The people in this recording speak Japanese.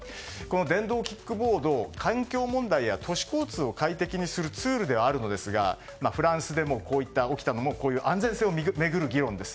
電動キックボードを環境問題や都市公共を快適にするツールではあるんですがフランスで起きたのも安全性を巡る議論です。